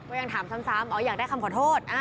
ยังถามซ้ำอ๋ออยากได้คำขอโทษ